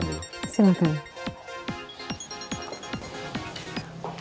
sebentar ya saya angkat telepon dulu